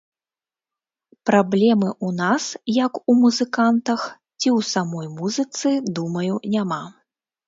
Праблемы ў нас, як у музыкантах, ці ў самой музыцы, думаю, няма.